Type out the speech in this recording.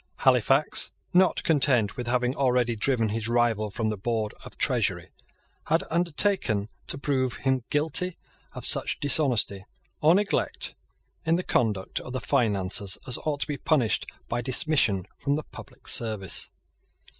Halifax, not content with having already driven his rival from the Board of Treasury, had undertaken to prove him guilty of such dishonesty or neglect in the conduct of the finances as ought to be punished by dismission from the public service.